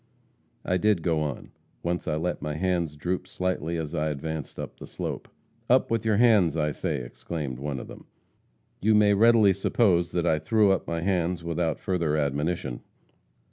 "I did go on. Once I let my hands droop slightly, as I advanced up the slope. "'Up with your hands, I say!' exclaimed one of them. "You may readily suppose that I threw up my hands without further admonition.